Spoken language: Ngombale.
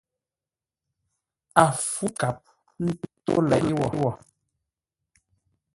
A fú kap tó leʼé wo.